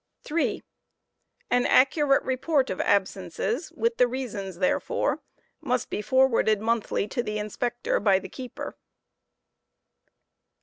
3, An accurate report of absences, with the reasons therefor, must be forwarded fiC ^j£ rt of ab inonthly to the Inspector by the keeper.